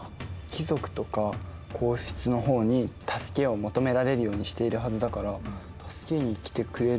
貴族とか皇室の方に助けを求められるようにしているはずだから助けに来てくれるんじゃないかな？